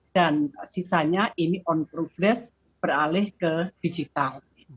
dan sisanya ini on progress beralih ke digital